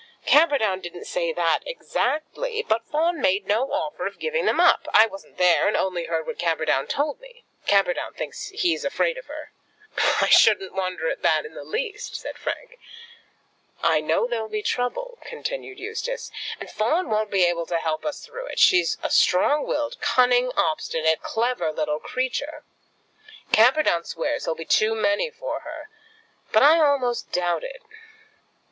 "Camperdown didn't say that exactly; but Fawn made no offer of giving them up. I wasn't there, and only heard what Camperdown told me. Camperdown thinks he's afraid of her." "I shouldn't wonder at that in the least," said Frank. "I know there'll be trouble," continued Eustace, "and Fawn won't be able to help us through it. She's a strong willed, cunning, obstinate, clever little creature. Camperdown swears he'll be too many for her, but I almost doubt it."